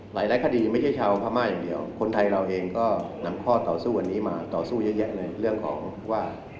หลายคดีไม่ใช่ชาวภามากอย่างเดียว